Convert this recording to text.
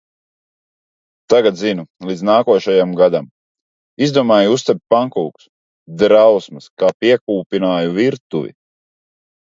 Tagad zinu, līdz nākošajam gadam. Izdomāju uzcept pankūkas. Drausmas, kā piekūpināju virtuvi.